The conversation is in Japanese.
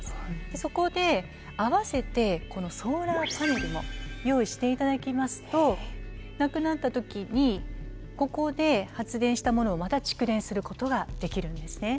そこで合わせてこのソーラーパネルも用意して頂きますとなくなった時にここで発電したものをまた蓄電することができるんですね。